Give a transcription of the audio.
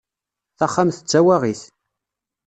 Taxxamt d tawaɣit.